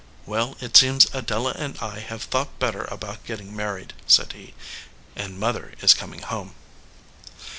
"Well, it seems Adela and I have thought better about getting married," said he, "and Mother is coming home."